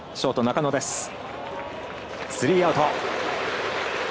スリーアウト。